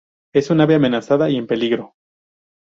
Es un ave amenazada y en peligro.